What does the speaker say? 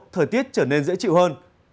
thời tiết trở nên dễ chịu hơn